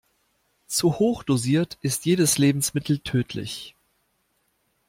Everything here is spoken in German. Zu hoch dosiert ist jedes Lebensmittel tödlich.